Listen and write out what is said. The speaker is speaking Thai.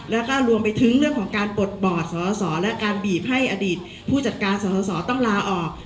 แล้วก็รวมไปถึงเรื่องของการปลดบอดสอสอและการบีบให้อดีตผู้จัดการสอสอต้องลาออก